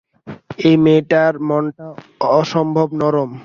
এই মেয়েটার মনটা অসম্ভব নরম।